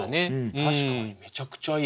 確かにめちゃくちゃいい。